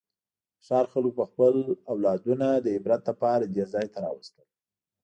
د ښار خلکو به خپل اولادونه د عبرت لپاره دې ځای ته راوستل.